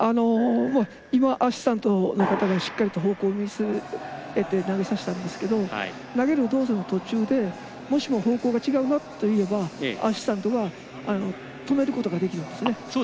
アシスタントの方がしっかりと方向を見据えて投げさせたんですけど投げる動作の途中でもしも方向が違うなと思えばアシスタントが止めることができるんですね。